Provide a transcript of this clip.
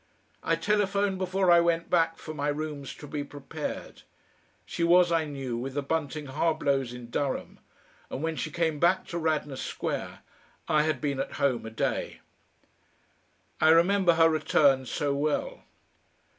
I telephoned before I went back for my rooms to be prepared. She was, I knew, with the Bunting Harblows in Durham, and when she came back to Radnor Square I had been at home a day. I remember her return so well.